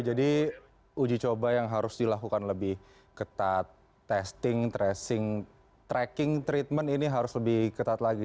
jadi uji coba yang harus dilakukan lebih ketat testing tracing tracking treatment ini harus lebih ketat lagi